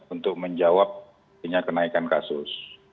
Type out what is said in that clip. untuk menjawab kenaikan kasus